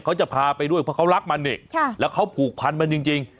เขาจะพาไปด้วยเพราะเขารักมันนี่แล้วเขาผูกพันมันจริง